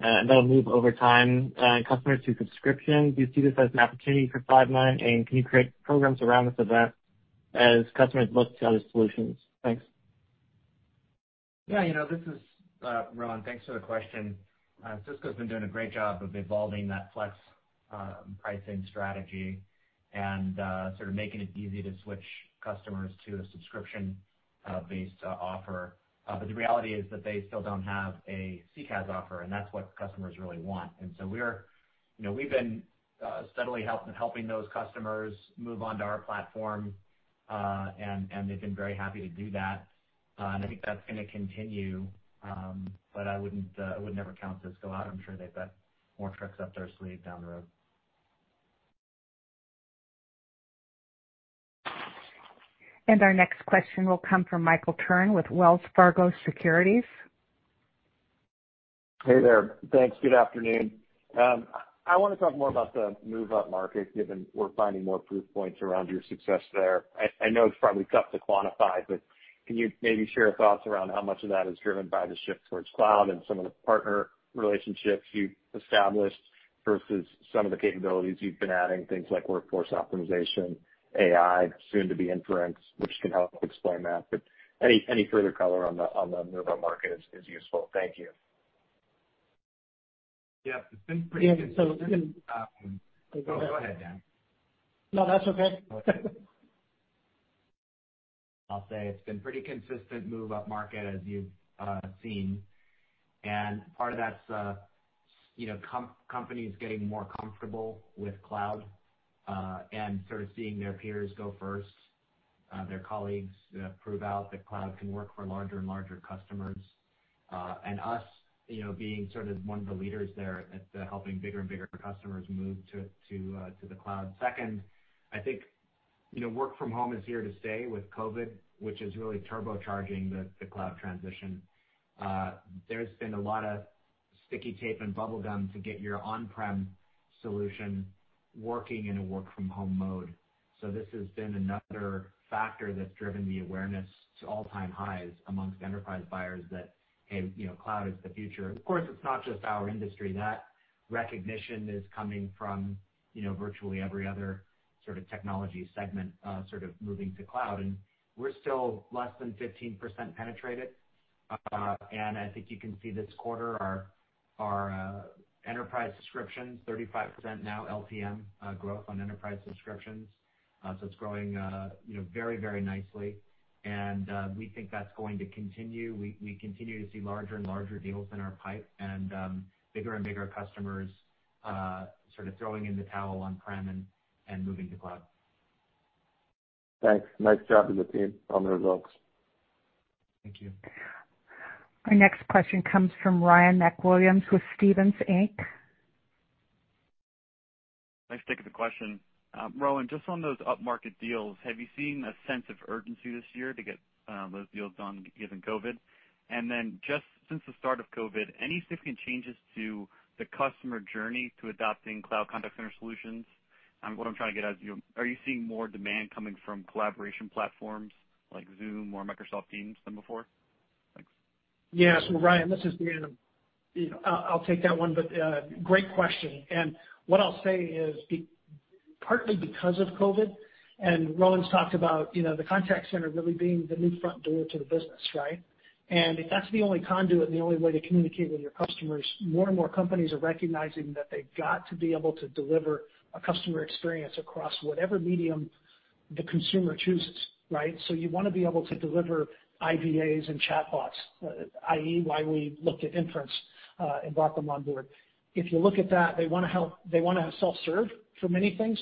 that'll move over time customers to subscription. Do you see this as an opportunity for Five9, and can you create programs around this event as customers look to other solutions? Thanks. Yeah, this is Rowan. Thanks for the question. Cisco's been doing a great job of evolving that flex pricing strategy and sort of making it easy to switch customers to a subscription-based offer. The reality is that they still don't have a CCaaS offer, and that's what customers really want. We've been steadily helping those customers move onto our platform, and they've been very happy to do that. I think that's going to continue. I would never count Cisco out. I'm sure they've got more tricks up their sleeve down the road. Our next question will come from Michael Turrin with Wells Fargo Securities. Hey there. Thanks. Good afternoon. I want to talk more about the move-up market, given we're finding more proof points around your success there. I know it's probably tough to quantify, but can you maybe share thoughts around how much of that is driven by the shift towards cloud and some of the partner relationships you've established, versus some of the capabilities you've been adding, things like workforce optimization, AI, soon to be Inference, which can help explain that. Any further color on the move-up market is useful. Thank you. Yeah. Yeah. Oh, go ahead, Dan. No, that's okay. I'll say it's been pretty consistent move-up market as you've seen, and part of that's companies getting more comfortable with cloud, and sort of seeing their peers go first, their colleagues prove out that cloud can work for larger and larger customers. Us being sort of one of the leaders there at helping bigger and bigger customers move to the cloud. Second, I think work from home is here to stay with COVID, which is really turbocharging the cloud transition. There's been a lot of sticky tape and bubblegum to get your on-prem solution working in a work from home mode. This has been another factor that's driven the awareness to all-time highs amongst enterprise buyers that, hey, cloud is the future. Of course, it's not just our industry. That recognition is coming from virtually every other sort of technology segment sort of moving to cloud. We're still less than 15% penetrated. I think you can see this quarter our enterprise subscriptions, 35% now LTM growth on enterprise subscriptions. It's growing very, very nicely, and we think that's going to continue. We continue to see larger and larger deals in our pipe and bigger and bigger customers sort of throwing in the towel on-prem and moving to cloud. Thanks. Nice job with the team on the results. Thank you. Our next question comes from Ryan MacWilliams with Stephens Inc. Thanks. Thank you for the question. Rowan, just on those up-market deals, have you seen a sense of urgency this year to get those deals done given COVID? Just since the start of COVID, any significant changes to the customer journey to adopting cloud contact center solutions? What I'm trying to get at is, are you seeing more demand coming from collaboration platforms like Zoom or Microsoft Teams than before? Thanks. Ryan, this is Dan. I'll take that one, great question. What I'll say is, partly because of COVID, Rowan's talked about the contact center really being the new front door to the business, right? If that's the only conduit and the only way to communicate with your customers, more and more companies are recognizing that they've got to be able to deliver a customer experience across whatever medium the consumer chooses, right? You want to be able to deliver IVAs and chatbots, i.e., why we looked at Inference, and brought them on board. If you look at that, they want to self-serve for many things.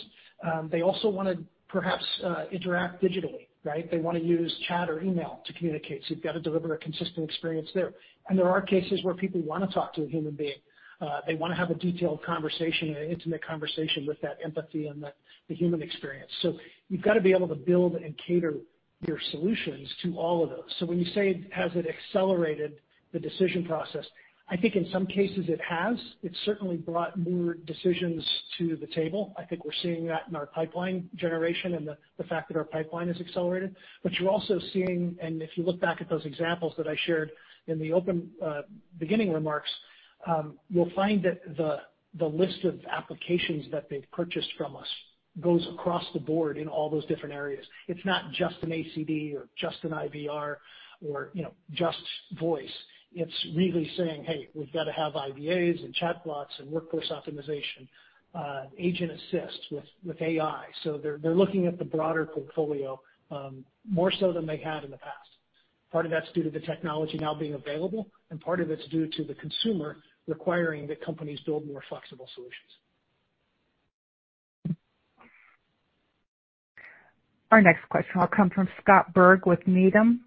They also want to perhaps interact digitally, right? They want to use chat or email to communicate, so you've got to deliver a consistent experience there. There are cases where people want to talk to a human being. They want to have a detailed conversation and an intimate conversation with that empathy and the human experience. You've got to be able to build and cater your solutions to all of those. When you say, has it accelerated the decision process, I think in some cases it has. It certainly brought more decisions to the table. I think we're seeing that in our pipeline generation and the fact that our pipeline has accelerated. You're also seeing, and if you look back at those examples that I shared in the open beginning remarks, you'll find that the list of applications that they've purchased from us goes across the board in all those different areas. It's not just an ACD or just an IVR or just voice. It's really saying, "Hey, we've got to have IVAs and chatbots and workforce optimization, Agent Assist with AI." They're looking at the broader portfolio more so than they have in the past. Part of that's due to the technology now being available, and part of it's due to the consumer requiring that companies build more flexible solutions. Our next question will come from Scott Berg with Needham.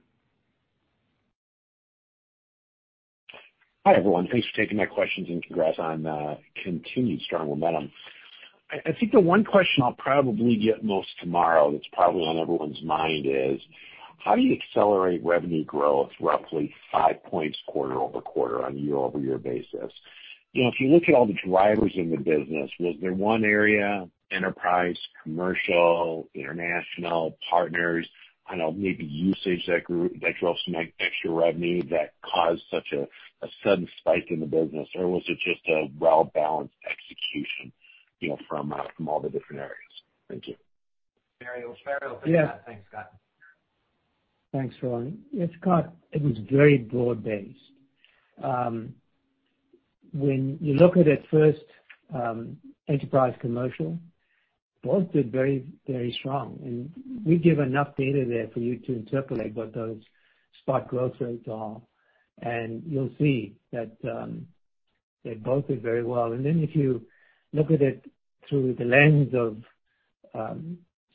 Hi, everyone. Thanks for taking my questions and congrats on continued strong momentum. I think the one question I'll probably get most tomorrow that's probably on everyone's mind is, how do you accelerate revenue growth roughly five points quarter-over-quarter on a year-over-year basis? If you look at all the drivers in the business, was there one area, enterprise, commercial, international, partners, I don't know, maybe usage that grew, that drove some extra revenue that caused such a sudden spike in the business, or was it just a well-balanced execution from all the different areas? Thank you. Barry will take that. Thanks, Scott. Thanks, Rowan. Yeah, Scott, it was very broad-based. When you look at it first, enterprise commercial, both did very strong, and we give enough data there for you to interpolate what those spot growth rates are, and you'll see that they both did very well. If you look at it through the lens of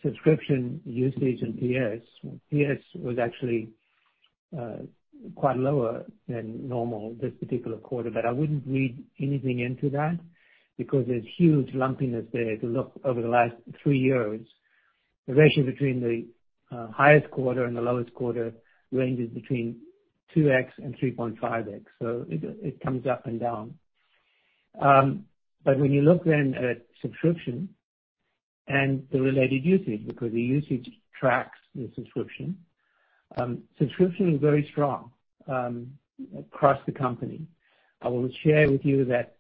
subscription usage and PS was actually quite lower than normal this particular quarter. I wouldn't read anything into that because there's huge lumpiness there to look over the last three years. The ratio between the highest quarter and the lowest quarter ranges between 2x-3.5x, so it comes up and down. When you look at subscription and the related usage, because the usage tracks the subscription is very strong across the company. I will share with you that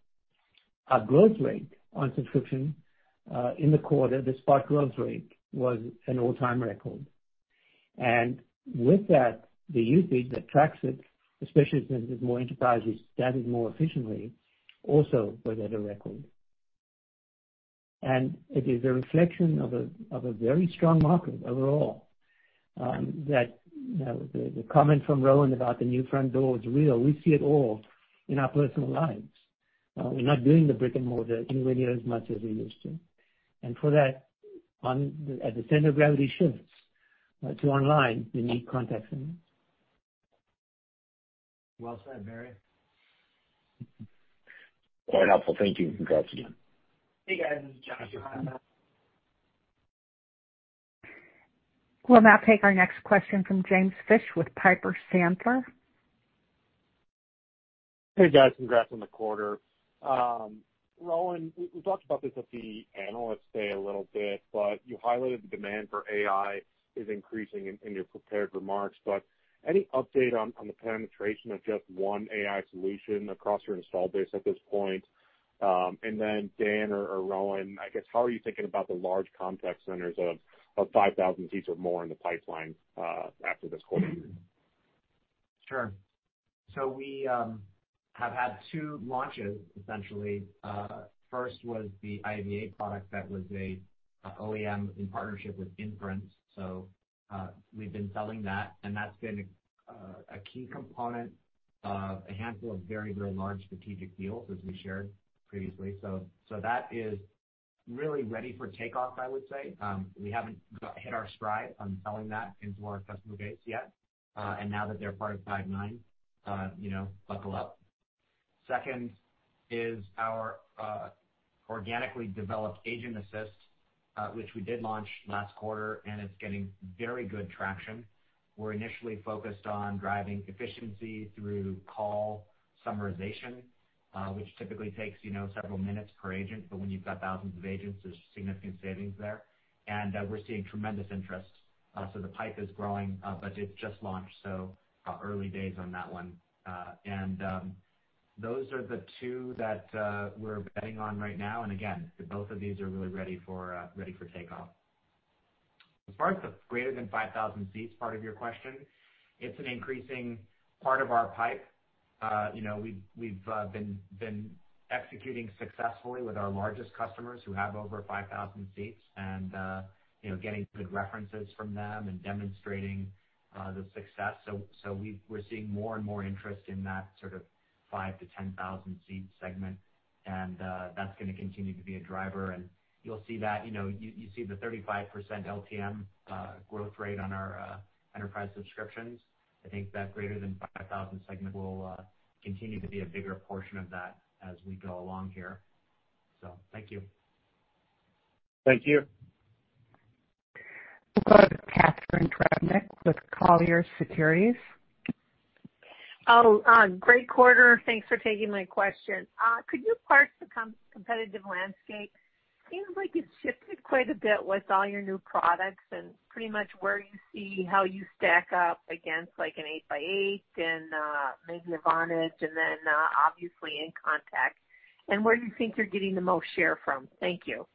our growth rate on subscription in the quarter, the spot growth rate, was an all-time record. With that, the usage that tracks it, especially since there's more enterprises staffed more efficiently, also was at a record. It is a reflection of a very strong market overall that the comment from Rowan about the new front door is real. We see it all in our personal lives. We're not doing the brick-and-mortar anywhere near as much as we used to. For that, as the center of gravity shifts to online, you need contact centers. Well said, Barry. Quite helpful. Thank you. Congrats, again. Hey, guys, John. We'll now take our next question from James Fish with Piper Sandler. Hey, guys. Congrats on the quarter. Rowan, we talked about this at the Analyst Day a little bit, but you highlighted the demand for AI is increasing in your prepared remarks. Any update on the penetration of just one AI solution across your install base at this point? Dan or Rowan, I guess, how are you thinking about the large contact centers of 5,000 seats or more in the pipeline after this quarter? Sure. We have had two launches, essentially. First was the IVA product that was a OEM in partnership with Inference. We've been selling that, and that's been a key component of a handful of very large strategic deals, as we shared previously. That is really ready for takeoff, I would say. We haven't hit our stride on selling that into our customer base yet. Now that they're part of Five9, buckle up. Second is our organically developed Agent Assist, which we did launch last quarter, and it's getting very good traction. We're initially focused on driving efficiency through call summarization, which typically takes several minutes per agent, but when you've got thousands of agents, there's significant savings there. We're seeing tremendous interest. The pipe is growing, but it just launched, so early days on that one. Those are the two that we're betting on right now. Again, both of these are really ready for takeoff. As far as the greater than 5,000 seats part of your question, it's an increasing part of our pipeline. We've been executing successfully with our largest customers who have over 5,000 seats, and getting good references from them and demonstrating the success. We're seeing more and more interest in that sort of 5,000-10,000 seat segment, and that's going to continue to be a driver, and you'll see that. You see the 35% LTM growth rate on our enterprise subscriptions. I think that greater than 5,000 segment will continue to be a bigger portion of that as we go along here. Thank you. Thank you. We'll go to Catharine Trebnick with Colliers Securities. Oh, great quarter. Thanks for taking my question. Could you parse the competitive landscape? Seems like it's shifted quite a bit with all your new products, and pretty much where you see how you stack up against, like an 8x8 and maybe a Vonage and then, obviously, inContact, and where you think you're getting the most share from. Thank you.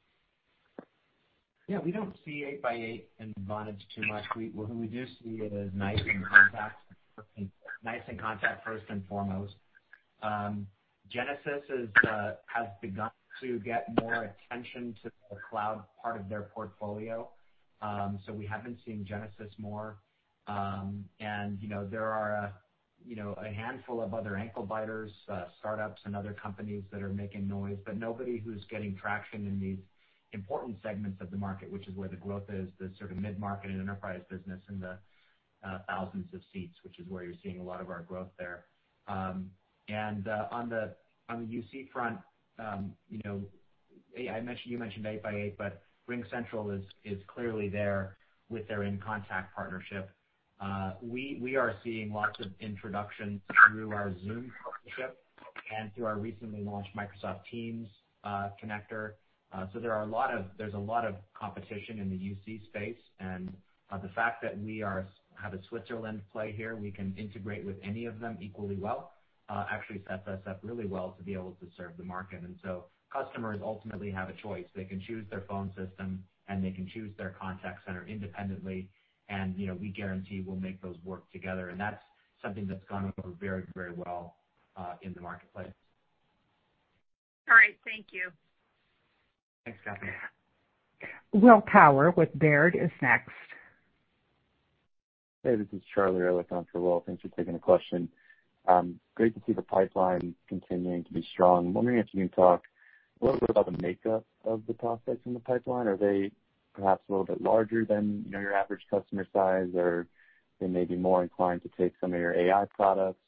We don't see 8x8 and Vonage too much. What we do see is NICE and inContact, first and foremost. Genesys has begun to get more attention to the cloud part of their portfolio. We have been seeing Genesys more. There are a handful of other ankle biters, startups and other companies that are making noise, but nobody who's getting traction in these important segments of the market, which is where the growth is, the sort of mid-market and enterprise business in the thousands of seats, which is where you're seeing a lot of our growth there. On the UC front you mentioned 8x8, but RingCentral is clearly there with their inContact partnership. We are seeing lots of introductions through our Zoom partnership and through our recently launched Microsoft Teams connector. There's a lot of competition in the UC space, and the fact that we have a Switzerland play here, we can integrate with any of them equally well actually sets us up really well to be able to serve the market. Customers ultimately have a choice. They can choose their phone system, and they can choose their contact center independently, and we guarantee we'll make those work together, and that's something that's gone over very well in the marketplace. All right. Thank you. Thanks, Catharine. Will Power with Baird is next. Hey, this is Charlie. I looked on for Will. Thanks for taking the question. Great to see the pipeline continuing to be strong. I'm wondering if you can talk a little bit about the makeup of the prospects in the pipeline. Are they perhaps a little bit larger than your average customer size, or they may be more inclined to take some of your AI products?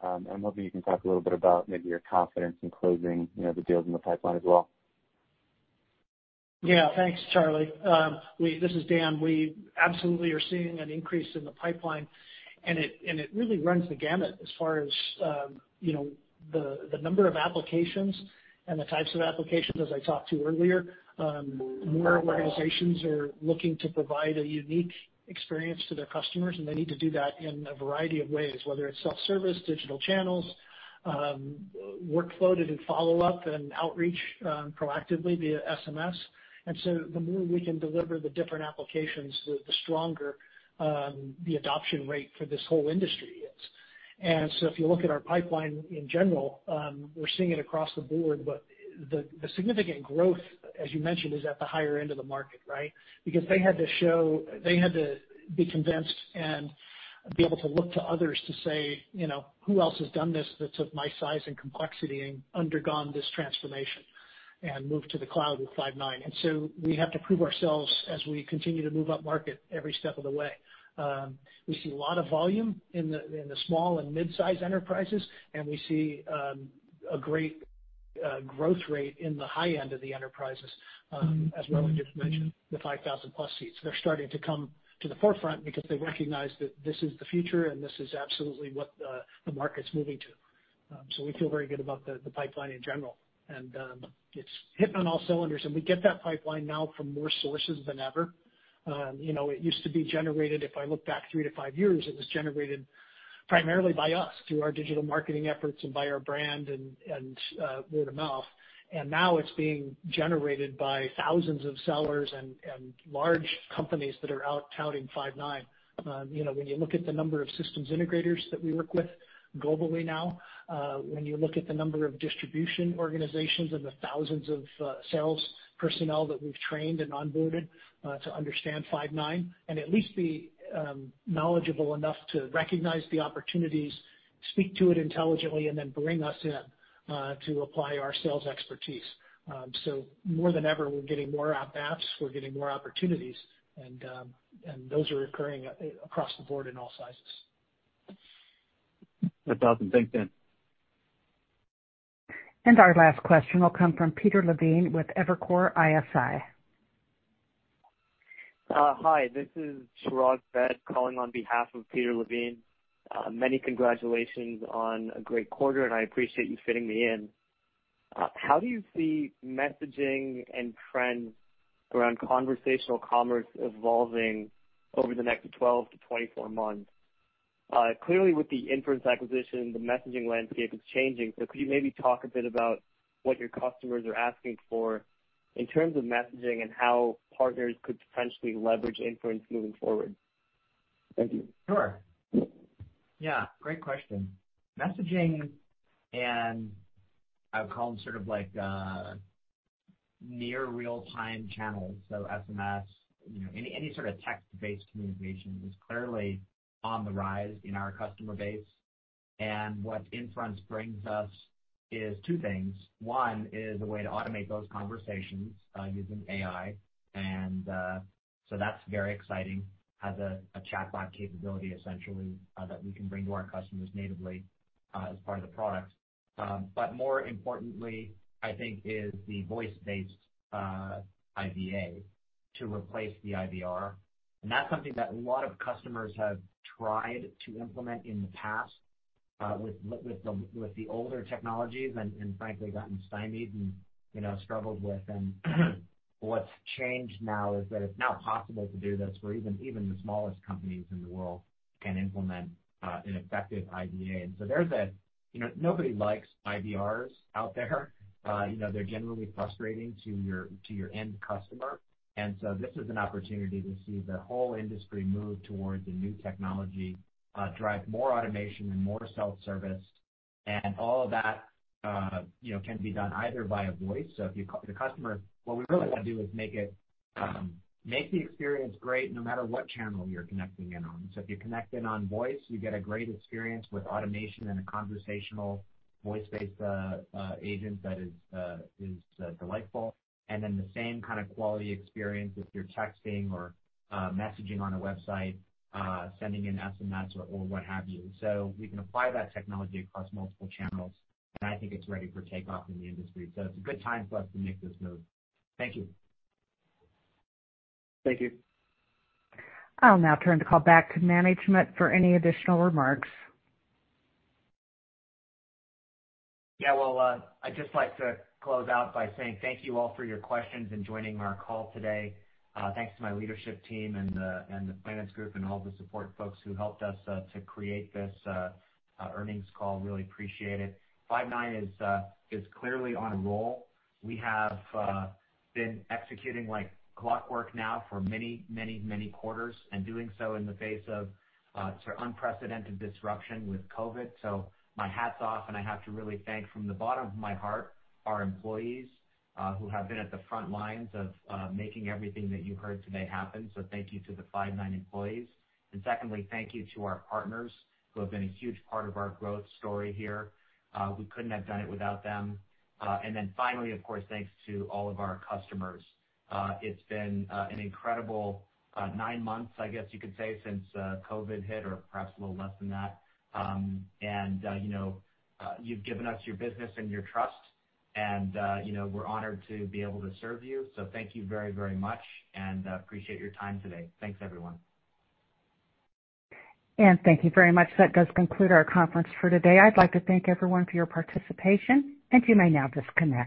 I'm hoping you can talk a little bit about maybe your confidence in closing the deals in the pipeline as well. Yeah. Thanks, Charlie. This is Dan. We absolutely are seeing an increase in the pipeline, and it really runs the gamut as far as the number of applications and the types of applications as I talked to earlier. More organizations are looking to provide a unique experience to their customers, and they need to do that in a variety of ways, whether it's self-service, digital channels, workflow, did a follow-up and outreach proactively via SMS. The more we can deliver the different applications, the stronger the adoption rate for this whole industry is. If you look at our pipeline in general, we're seeing it across the board. The significant growth, as you mentioned, is at the higher end of the market, right? They had to be convinced and be able to look to others to say, "Who else has done this that's of my size and complexity and undergone this transformation and moved to the cloud with Five9?" We have to prove ourselves as we continue to move up market every step of the way. We see a lot of volume in the small and mid-size enterprises, and we see a great growth rate in the high end of the enterprises as well, as you've mentioned, the 5,000+ seats. They're starting to come to the forefront because they recognize that this is the future, and this is absolutely what the market's moving to. We feel very good about the pipeline in general, and it's hitting on all cylinders, and we get that pipeline now from more sources than ever. It used to be generated, if I look back three to five years, it was generated primarily by us through our digital marketing efforts and by our brand and word of mouth. Now it's being generated by thousands of sellers and large companies that are out touting Five9. When you look at the number of systems integrators that we work with globally now, when you look at the number of distribution organizations and the thousands of sales personnel that we've trained and onboarded to understand Five9 and at least be knowledgeable enough to recognize the opportunities, speak to it intelligently, and then bring us in to apply our sales expertise. More than ever, we're getting more apps, we're getting more opportunities, and those are occurring across the board in all sizes. 1,000. Thanks, Dan. Our last question will come from Peter Levine with Evercore ISI. Hi, this is Chirag Ved calling on behalf of Peter Levine. Many congratulations on a great quarter, and I appreciate you fitting me in. How do you see messaging and trends around conversational commerce evolving over the next 12-24 months? Clearly, with the Inference acquisition, the messaging landscape is changing. Could you maybe talk a bit about what your customers are asking for? In terms of messaging and how partners could potentially leverage Inference moving forward. Thank you. Sure. Yeah, great question. Messaging and I would call them sort of near real-time channels, so SMS, any sort of text-based communication is clearly on the rise in our customer base. What Inference brings us is two things. One is a way to automate those conversations using AI. That's very exciting. Has a chatbot capability, essentially, that we can bring to our customers natively as part of the product. More importantly, I think is the voice-based IVA to replace the IVR. That's something that a lot of customers have tried to implement in the past with the older technologies and frankly, gotten stymied and struggled with. What's changed now is that it's now possible to do this, where even the smallest companies in the world can implement an effective IVA. Nobody likes IVRs out there. They're generally frustrating to your end customer. This is an opportunity to see the whole industry move towards a new technology, drive more automation and more self-service, and all of that can be done either via voice. What we really want to do is make the experience great no matter what channel you're connecting in on. If you connect in on voice, you get a great experience with automation and a conversational voice-based agent that is delightful. The same kind of quality experience if you're texting or messaging on a website, sending an SMS or what have you. We can apply that technology across multiple channels, and I think it's ready for takeoff in the industry. It's a good time for us to make this move. Thank you. Thank you. I'll now turn the call back to management for any additional remarks. Yeah. Well, I'd just like to close out by saying thank you all for your questions and joining our call today. Thanks to my leadership team and the finance group and all the support folks who helped us to create this earnings call. Really appreciate it. Five9 is clearly on a roll. We have been executing like clockwork now for many quarters, and doing so in the face of sort of unprecedented disruption with COVID. My hat's off, and I have to really thank from the bottom of my heart, our employees, who have been at the front lines of making everything that you've heard today happen. Thank you to the Five9 employees. Secondly, thank you to our partners who have been a huge part of our growth story here. We couldn't have done it without them. Finally, of course, thanks to all of our customers. It's been an incredible nine months, I guess you could say, since COVID hit, or perhaps a little less than that. You've given us your business and your trust and we're honored to be able to serve you. Thank you very, very much, and appreciate your time today. Thanks, everyone. Thank you very much. That does conclude our conference for today. I'd like to thank everyone for your participation, and you may now disconnect.